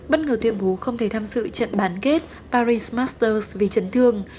bất ngờ tuyên bố không thể tham dự trận bán kết paris master vì chấn thương